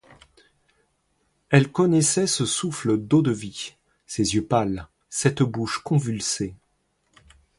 Elle connaissait ce souffle d'eau-de-vie, ces yeux pâles, cette bouche convulsée.